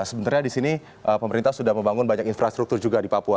sebenarnya di sini pemerintah sudah membangun banyak infrastruktur juga di papua